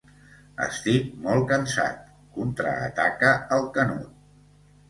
Estic molt cansat, contraataca el Canut.